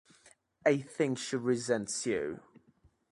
I think she resents you.